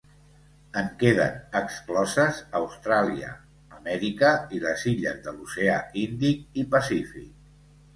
En queden excloses Austràlia, Amèrica i les illes de l'oceà Índic i Pacífic.